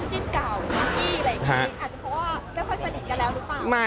อาจจะเพราะว่าไม่ค่อยสนิทกันแล้วหรือเปล่า